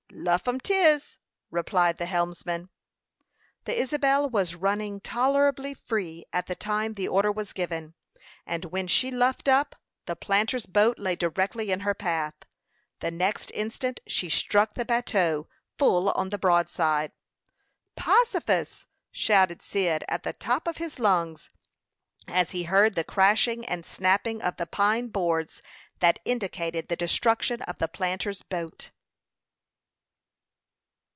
"Luff um 'tis!" replied the helmsman. The Isabel was running tolerably free at the time the order was given, and when she luffed up, the planter's boat lay directly in her path. The next instant she struck the bateau full on the broadside. "Possifus!" shouted Cyd, at the top of his lungs, as he heard the crashing and snapping of the pine boards, that indicated the destruction of the planter's boat.